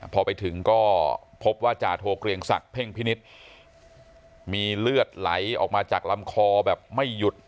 พอไปถึงก็พบว่าจาโทเกรียงศักดิ์เพ่งพินิษฐ์มีเลือดไหลออกมาจากลำคอแบบไม่หยุด